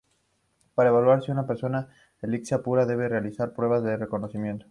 Para evaluar si una persona tiene alexia pura, se deben realizar pruebas de reconocimiento.